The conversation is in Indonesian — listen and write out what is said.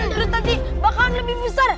terus nanti bakal lebih besar